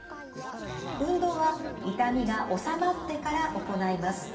運動は痛みが治まってから行います。